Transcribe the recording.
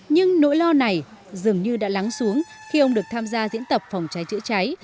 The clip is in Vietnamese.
nhưng nỗi lo này dường như đã lắng xuống khi ông được tham gia diễn tập phòng cháy chữa cháy